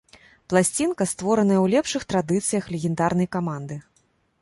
Пласцінка, створаная ў лепшых традыцыях легендарнай каманды.